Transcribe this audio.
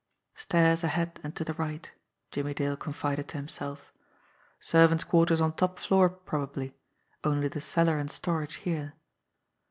"Stairs ahead and to the right," Jimmie Dale confided to himself. "Servants' quarters on top floor probably; only the cellar and storage here."